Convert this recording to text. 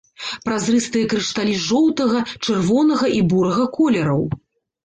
Празрыстыя крышталі жоўтага, чырвонага і бурага колераў.